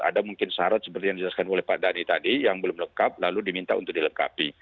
ada mungkin syarat seperti yang dijelaskan oleh pak dhani tadi yang belum lengkap lalu diminta untuk dilengkapi